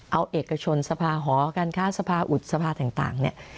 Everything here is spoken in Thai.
เอาเอกชนสภาหอการค้าสภาอุดสภาต่างเนี่ย